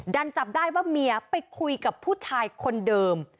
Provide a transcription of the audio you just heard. จับได้ว่าเมียไปคุยกับผู้ชายคนเดิม